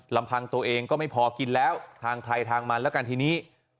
ลำพังตัวเองก็ไม่พอกินแล้วทางใครทางมันแล้วกันทีนี้